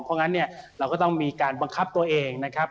เพราะงั้นเนี่ยเราก็ต้องมีการบังคับตัวเองนะครับ